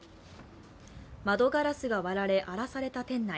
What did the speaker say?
窓ガラスが割られ、荒らされた店内。